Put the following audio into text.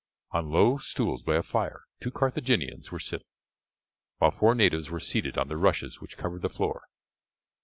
On low stools by a fire two Carthaginians were sitting, while four natives were seated on the rushes which covered the floor.